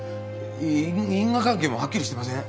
い因果関係もはっきりしてません。